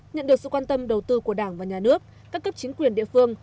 nhận được sự quan tâm đầu tư của đảng và nhà nước các cấp chính quyền địa phương